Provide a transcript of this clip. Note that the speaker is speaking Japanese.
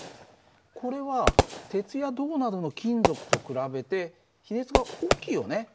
これは鉄や銅などの金属と比べて比熱が大きいよね。